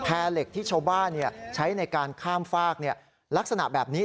เหล็กที่ชาวบ้านใช้ในการข้ามฟากลักษณะแบบนี้